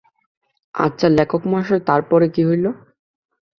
আচ্ছা লেখকমহাশয়, তার পরে কী হইল।